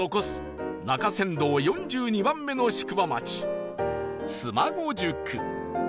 中山道４２番目の宿場町妻籠宿